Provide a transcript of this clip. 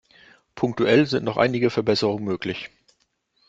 Punktuell sind noch einige Verbesserungen möglich.